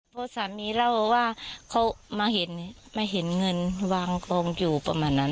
เพราะสามีเล่าว่าเขามาเห็นมาเห็นเงินวางกองอยู่ประมาณนั้น